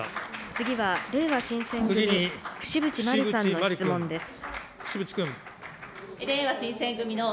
次はれいわ新選組、櫛渕万里さんの質問です。